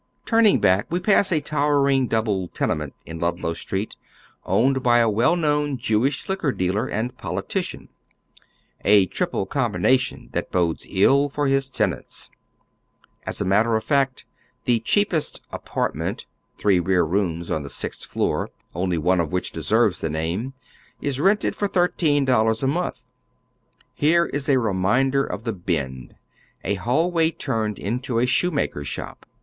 Turning back, we pass a towering double tenement in Ludlow Street, owned by a well known Jewish liquor dealer and politician, a triple combination that bodes ill for his tenants. As a matter of fact, the ciieapest " apai t meiit," three rear rooms on the sixth floor, only one of which deserves the name, is rented for $13 a month. Here is a reminder of the Bend, a hallway turned into a shoemaker's shop.